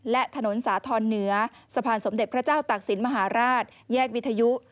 และถนนสาธรณ์เหนือสะพานสมเด็จพระเจ้าตากศิลปมหาราชแยกวิทยุ